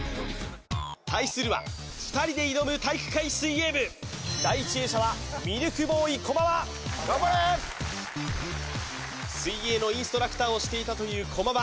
対するは２人で挑む体育会水泳部第１泳者はミルクボーイ駒場水泳のインストラクターをしていたという駒場